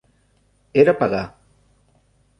Era pagà.